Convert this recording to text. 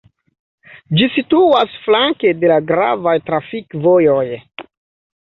Ĝi situas flanke de la gravaj trafikvojoj.